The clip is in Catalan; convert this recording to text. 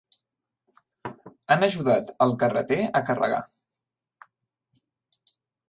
Han ajudat el carreter a carregar.